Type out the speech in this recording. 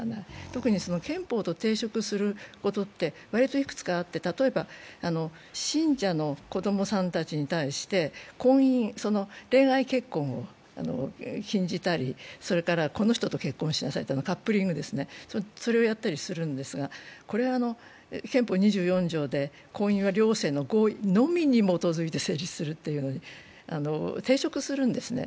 特に憲法と抵触することって割といくつかあって、例えば信者の子供さんたちに対して婚姻、恋愛結婚を禁じたりこの人と結婚しなさいとカップリングをやったりするんですが、これは憲法２４条で、婚姻は両性の合意のみに基づいて成立するというところに抵触するんですね。